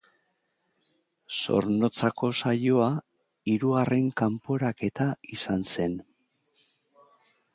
Zornotzako saioa hirugarren kanporaketa izan zen.